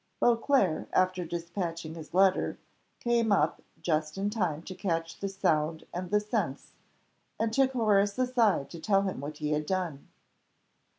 Beauclerc, after despatching his letter, came up just in time to catch the sound and the sense, and took Horace aside to tell him what he had done.